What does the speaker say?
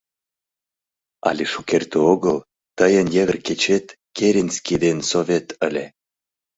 Але шукерте огыл тыйын йыгыр кечет Керенский ден Совет ыле...